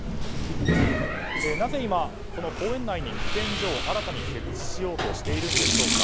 なぜ今、公園内に喫煙所を新たに設置しようとしているんでしょうか。